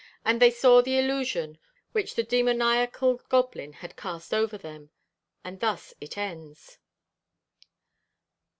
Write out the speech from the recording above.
And they saw the illusion which the demoniacal goblin had cast over them.... And thus it ends.'